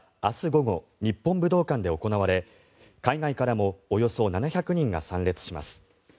午後、日本武道館で行われ海外からもおよそ７００人が参列します。